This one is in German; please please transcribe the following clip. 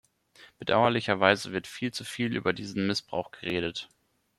Bedauerlicherweise wird viel zu viel über diesen Missbrauch geredet.